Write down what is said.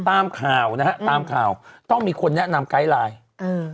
ตามข่าวนะฮะตามข่าวต้องมีคนแนะนำไกด์ไลน์อืม